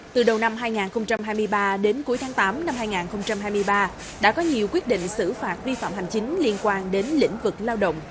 từ đầu năm hai nghìn hai mươi ba đến cuối tháng tám năm hai nghìn hai mươi ba đã có nhiều quyết định xử phạt vi phạm hành chính liên quan đến lĩnh vực lao động